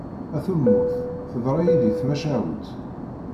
A tulmut, teḍra yid-i tmacahut.